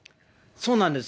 そうなんです。